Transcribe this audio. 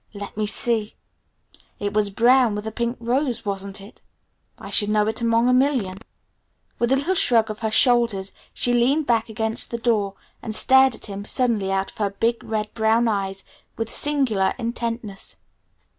Let me see, it was brown, with a pink rose wasn't it? I should know it among a million." With a little shrug of her shoulders she leaned back against the door and stared at him suddenly out of her big red brown eyes with singular intentness.